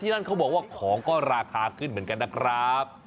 นั่นเขาบอกว่าของก็ราคาขึ้นเหมือนกันนะครับ